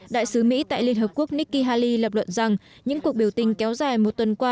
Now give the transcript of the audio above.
đại sứ mỹ tại liên hợp quốc nikki haley lập luận rằng những cuộc biểu tình kéo dài một tuần qua